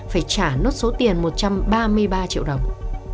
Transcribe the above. phải trả nốt số tiền một trăm ba mươi ba triệu đồng